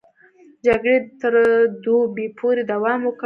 جګړې تر دوبي پورې دوام وکړ.